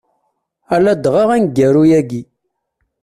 A ladɣa aneggaru-ayi.